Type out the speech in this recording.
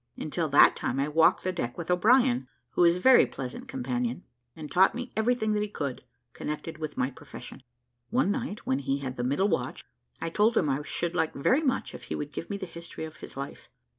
Until that time, I walked the deck with O'Brien, who was a very pleasant companion, and taught me everything that he could, connected with my profession. One night, when he had the middle watch, I told him I should like very much if he would give me the history of his life.